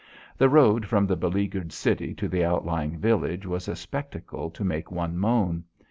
The road from the beleaguered city to the out lying village was a spectacle to make one moan.